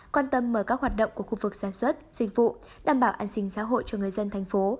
quan tâm mở các hoạt động của khu vực sản xuất dịch vụ đảm bảo an sinh xã hội cho người dân thành phố